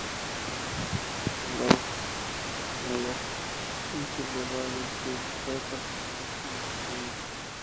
Ignacio Bravo contra los indios mayas sublevados y buscar la pacificación de la zona.